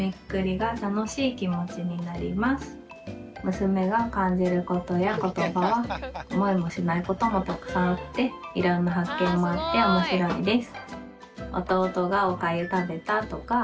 娘が感じることや言葉は思いもしないこともたくさんあっていろんな発見もあっておもしろいです。